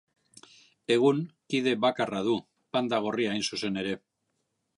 Egun kide bakarra du, panda gorria hain zuzen ere.